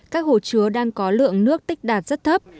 các hồ chứa đang có lượng nước tích đạt rất thấp